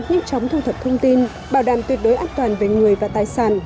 nhanh chóng thu thập thông tin bảo đảm tuyệt đối an toàn về người và tài sản